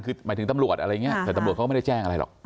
คือหมายถึงตำรวจอะไรอย่างนี้แต่ตำรวจเขาก็ไม่ได้แจ้งอะไรหรอก